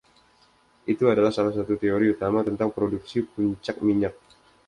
Itu adalah salah satu teori utama tentang produksi puncak minyak.